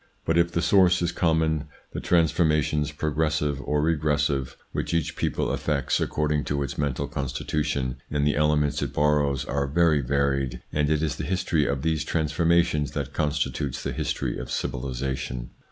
But if the source is common, the transformations progressive or regres ITS INFLUENCE ON THEIR EVOLUTION 99 sive which each people effects, according to its mental constitution, in the elements it borrows are very varied ; and it is the history of these transforma tions that constitutes the history of civilisation.